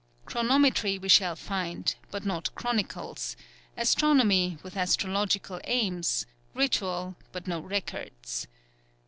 Chronometry we shall find, but not chronicles; astronomy with astrological aims; ritual, but no records.